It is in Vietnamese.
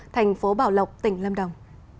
thành phố bảo lộc tỉnh lâm đồng